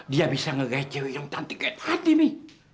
dia bisa ngegaya cewek yang cantik kayak tadi mi